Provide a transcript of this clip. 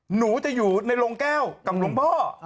หนูจะอยู่ในโรงแก้วกับหลวงพ่อ